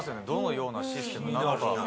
どのようなシステムなのか。